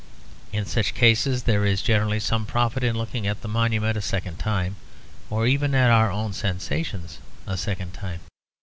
In such cases there is generally some profit in looking at the monument a second time, or even at our own sensations a second time.